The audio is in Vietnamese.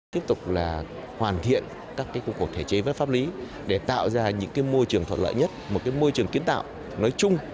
tiếp tục là hoàn thiện các cái cuộc thể chế với pháp lý để tạo ra những cái môi trường thọt lợi nhất một cái môi trường kiến tạo nói chung